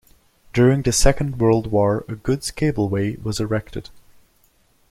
During the Second World War a goods cableway was erected.